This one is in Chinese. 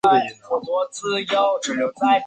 另一方面也是为了拍摄大草原的景。